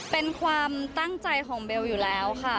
เป็นความตั้งใจของเบลอยู่แล้วค่ะ